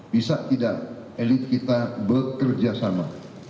bisa tidak elit kita bekerja sama